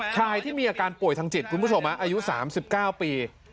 ใครที่มีอาการป่วยทางจิตคุณผู้ชมอายุ๓๙ปี